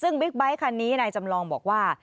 ซึ่งบิ๊กไบท์คันนี้นายจำลองบอกว่า